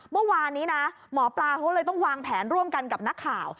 เมื่อวานนี้นะหมอปลาเขาเลยต้องวางแผนร่วมกันกับนักข่าว